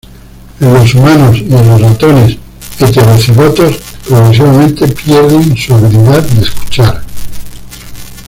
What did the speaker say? En los humanos y en los ratones heterocigotos progresivamente pierden su habilidad de escuchar.